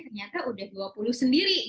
ternyata sudah dua puluh gram sendiri